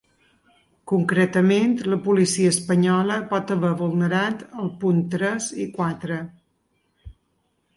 Concretament, la policia espanyola pot haver vulnerat el punt tres i quatre.